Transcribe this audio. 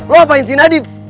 lo apain si nadif